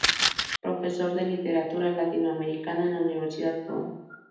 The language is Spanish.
Profesor de Literatura Latinoamericana en la Universidad Brown.